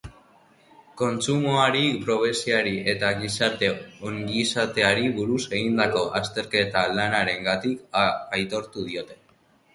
Kontsumoari, pobreziari eta gizarte ongizateari buruz egindako azterketa-lanarengatik aitortu diote golardoa.